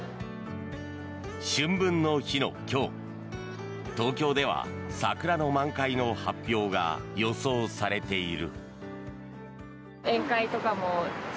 春分の日の今日、東京では桜の満開の発表が予想されている。